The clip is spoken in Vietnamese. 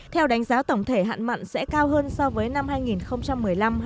theo đánh giá tổng thể hạn mặn sẽ cao hơn so với năm hai nghìn một mươi năm hai nghìn một mươi